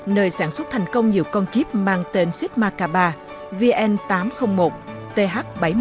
nơi sản xuất thành công nhiều con chip mang tên sigma k ba vn tám trăm linh một th bảy nghìn một trăm năm mươi